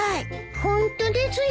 ホントですよ。